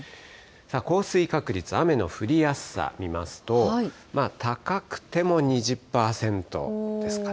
降水確率、雨の降りやすさ見ますと、高くても２０％ですかね。